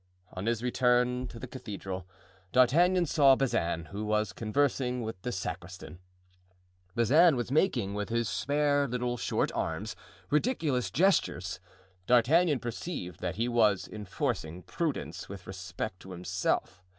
On his return to the cathedral, D'Artagnan saw Bazin, who was conversing with the sacristan. Bazin was making, with his spare little short arms, ridiculous gestures. D'Artagnan perceived that he was enforcing prudence with respect to himself.